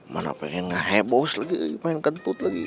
mana pengen ngehobos lagi main kentut lagi